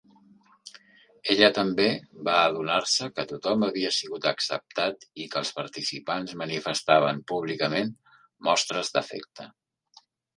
Ella també va adonar-se que tothom havia sigut acceptat i que els participants manifestaven públicament mostres d'afecte.